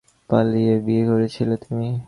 পালিয়ে বিয়ে করেছিলে তুমি।